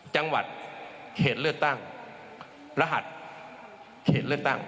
จังหวัดเขตเลือกตั้งรหัสเขตเลือกตั้ง